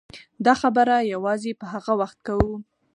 دا خبره یوازې په هغه وخت کوو.